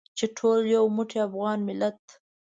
چې ټول یو موټی افغان ملت.